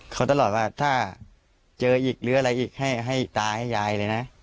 เขาตลอดว่าถ้าเจออีกหรืออะไรอีกให้ตาให้ยายเลยนะ